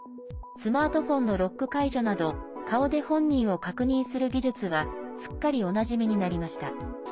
スマートフォンのロック解除など顔で本人を確認する技術はすっかり、おなじみになりました。